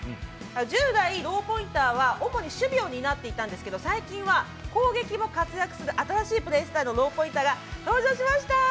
従来、ローポインターは主に守備を担っていたんですけど最近は攻撃も活躍する新しいプレースタイルのローポインターが登場しました。